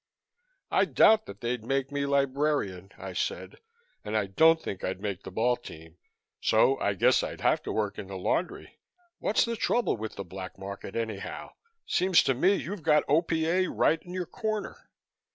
"I doubt that they'd make me librarian," I said, "and I don't think I'd make the ball team, so I guess I'd have to work in the laundry. What's the trouble with the black market, anyhow? Seems to me you've got O.P.A. right in your corner."